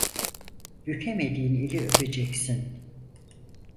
Bükemediğin eli öpeceksin.